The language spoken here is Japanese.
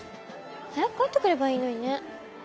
早く帰ってくればいいのにね。